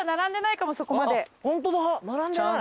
ホントだ並んでない。